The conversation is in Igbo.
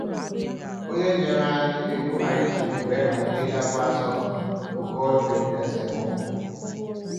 Onye nyere anyị ego anyị jiri wee malite ya bụ asọmpi bụ Godwin Ezemo